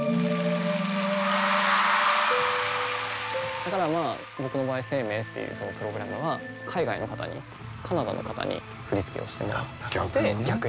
だからまあ僕の場合「ＳＥＩＭＥＩ」っていうそのプログラムは海外の方にカナダの方に振り付けをしてもらって逆に。